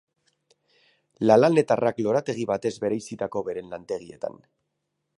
Lalannetarrak lorategi batez bereizitako beren lantegietan.